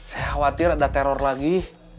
saya khawatir ada teror lagi